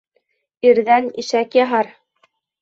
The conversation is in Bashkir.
Ирҙән ишәк яһар.